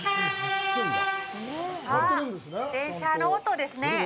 あっ、電車の音ですね。